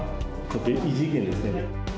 異次元ですね。